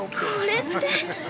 ◆これって。